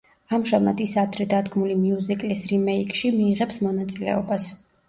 ამჟამად ის ადრე დადგმული მიუზიკლის რიმეიკში მიიღებს მონაწილეობას.